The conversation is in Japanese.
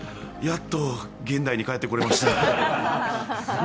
やっと現代に帰ってこれました。